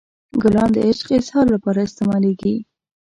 ګلان د عشق اظهار لپاره استعمالیږي.